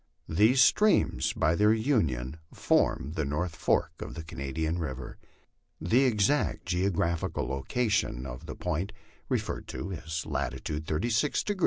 These streams by their union form the north fork of the Canadian river. The exact geographical location of the point re ferred to is lat. 36 deg.